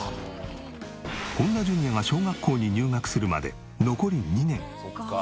本田ジュニアが小学校に入学するまで残り２年。